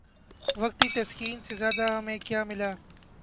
وقتی تسکین سے زیادہ ہمیں کیا ملا؟